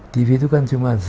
tv itu kan cuma